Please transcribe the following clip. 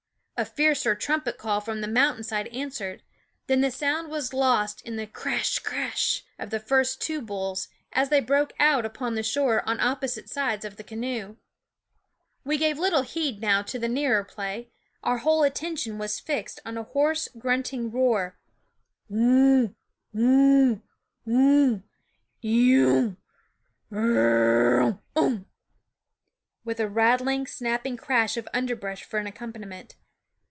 A fiercer trumpet call from the mountain side answered ; then the sound was lost in the crash crash of the first two bulls, as they broke out upon the shore on opposite sides of the canoe. We gave little heed now to the nearer play ; our whole attention was fixed on a hoarse, grunting roar NN K )^'^ u ^' erru h r r r runh unh ! with a rattling, snapping crash of underbrush for an accompaniment.